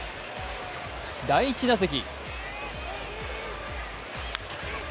第１打席。